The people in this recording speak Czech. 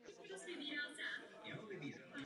Je odděleného pohlaví.